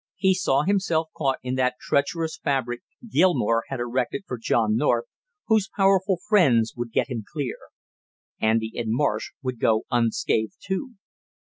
He saw himself caught in that treacherous fabric Gilmore had erected for John North, whose powerful friends would get him clear. Andy and Marsh would go unscathed, too.